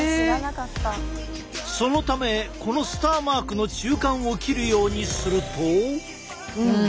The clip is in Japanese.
そのためこのスターマークの中間を切るようにすると。